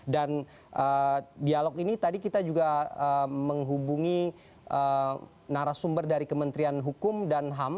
dan dialog ini tadi kita juga menghubungi narasumber dari kementerian hukum dan ham